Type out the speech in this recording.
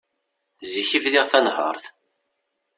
Zik i bdiɣ tanhert.